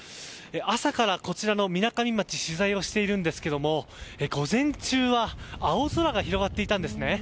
朝から、こちらのみなかみ町取材をしているんですけど午前中は青空が広がっていたんですね。